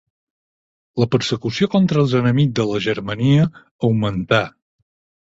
La persecució contra els enemics de la Germania augmentà.